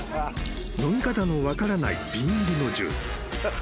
［飲み方の分からない瓶入りのジュース］